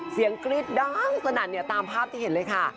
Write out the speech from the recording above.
เสียงกรีดด้านสนั่นตามภาพที่เห็นเลยค่ะ